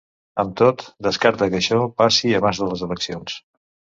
Amb tot, descarta que això passi abans de les eleccions.